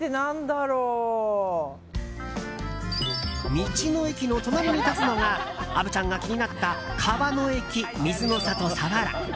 道の駅の隣に立つのが虻ちゃんが気になった川の駅水の郷さわら。